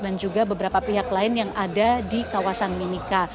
dan juga beberapa pihak lain yang ada di kawasan minika